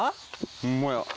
ホンマや。